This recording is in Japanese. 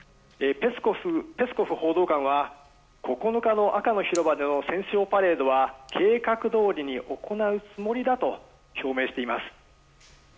ペスコフ報道官は９日の赤の広場での戦勝パレードは計画どおりに行うつもりだと表明しています。